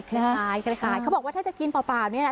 คล้ายคล้ายคล้ายคล้ายเขาบอกว่าถ้าจะกินเปล่าเปล่าเนี่ยอ่ะ